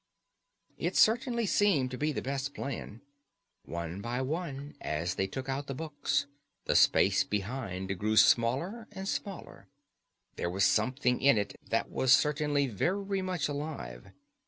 It certainly seemed to be the best plan. One by one, as they took out the books, the space behind grew smaller and smaller. There was something in it that was certainly very much alive.